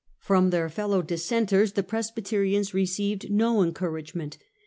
From their fellow Dissenters the Presbyterians re ceived no encouragement.